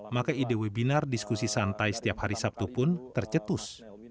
maka ide webinar diskusi santai setiap hari sabtu pun tercetus